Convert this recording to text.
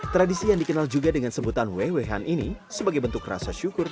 tradisi yang dikenal juga dengan sebutan wei strictly ni sebagai bentuk rasa syukur